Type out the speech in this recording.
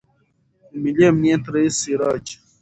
د ملي امنیت رئیس سراج